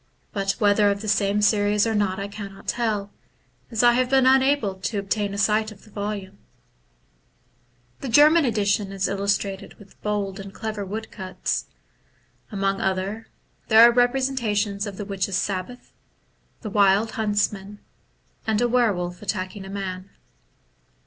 but whether of the same series or not I cannot tell, as I have been unable to obtain a sight of the volume. The German edition is illustrated with bold and clever woodcuts. Among other, there are representations of the Witches* Sabbath, the Wild Huntsman, and a Were wolf attacking a Man.